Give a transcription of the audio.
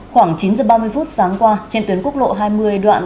khoảng chín h ba mươi phút sáng qua trên tuyến quốc lộ hai mươi đoạn